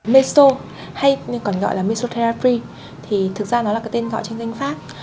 meso hay còn gọi là misotafri thì thực ra nó là cái tên gọi trên danh pháp